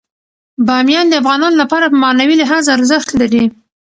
بامیان د افغانانو لپاره په معنوي لحاظ ارزښت لري.